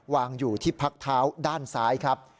วางอยู่ที่พักเท้าด้านซ้ายครับ